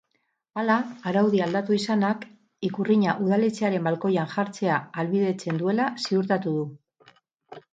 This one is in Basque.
Hala, araudia aldatu izanak ikurrina udaletxearen balkoian jartzea ahalbidetzen duela ziurtatu du.